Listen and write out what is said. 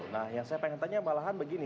nah yang saya pengen tanya malahan begini